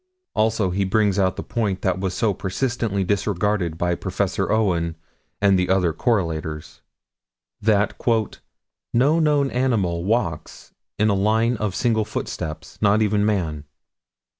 Also he brings out the point that was so persistently disregarded by Prof. Owen and the other correlators that "no known animal walks in a line of single footsteps, not even man."